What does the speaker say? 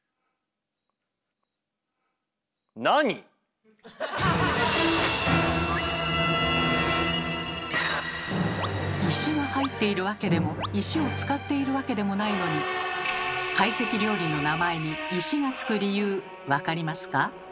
なに⁉石が入っているわけでも石を使っているわけでもないのに懐石料理の名前に「石」がつく理由分かりますか？